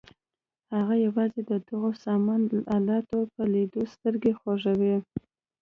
هغه یوازې د دغو سامان الاتو په لیدلو سترګې خوږوي.